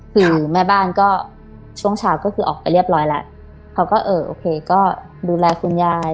คือแม่บ้านก็ช่วงเช้าก็คือออกไปเรียบร้อยแล้วเขาก็เออโอเคก็ดูแลคุณยาย